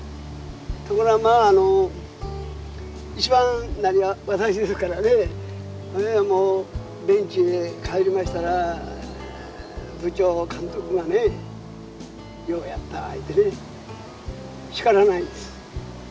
ところが一番私ですからベンチに帰りましたら部長、監督がねようやった言うてね叱らないんです。